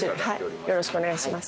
よろしくお願いします。